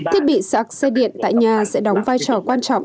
thiết bị sạc xe điện tại nhà sẽ đóng vai trò quan trọng